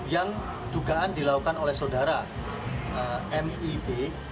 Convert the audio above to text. yang dugaan dilakukan oleh saudara m i b